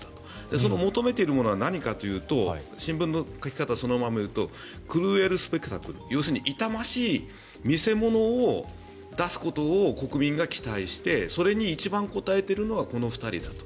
その求めているものは何かというと新聞の書き方そのままいうとクルーエル・スペクタクル要するに痛ましい見世物を出すことを国民が期待してそれに一番応えているのはこの２人だと。